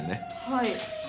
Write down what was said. はい。